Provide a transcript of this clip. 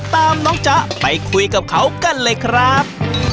ตามน้องจ๊ะไปคุยกับเขากันเลยครับ